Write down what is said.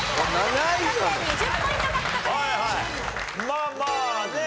まあまあね。